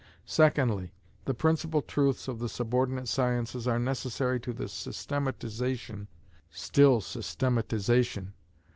Secondly, the principal truths of the subordinate sciences are necessary to the systematization (still systematization!)